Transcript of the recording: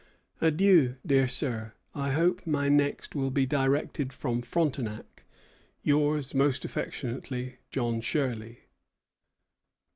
Adieu, dear sir; I hope my next will be directed from Frontenac. Yours most affectionately, John Shirley."